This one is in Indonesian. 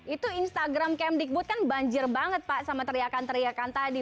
itu instagram kemdikbud kan banjir banget pak sama teriakan teriakan tadi